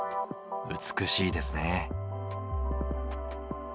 美しいですね。